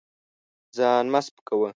ځان مه سپکوه.